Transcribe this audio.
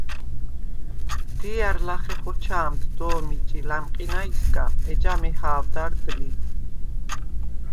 დია̈რ ლახე ხოჩა̄მდ დო̄მ იჭი ლა̈მყინაისგა, ეჯა მეჰა̄ვდარდ ლი.